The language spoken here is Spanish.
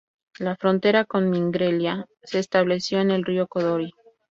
La frontera con Mingrelia se estableció en el río Kodori.